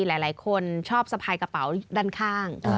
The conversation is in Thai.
หลายคนชอบสะพายกระเป๋าด้านข้าง